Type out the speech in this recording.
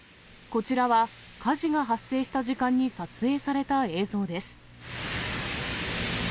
こちらは火事が発生した時間に撮影された映像です。